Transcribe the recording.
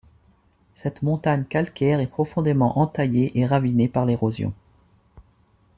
Cette montagne calcaire est profondément entaillée et ravinée par l'érosion.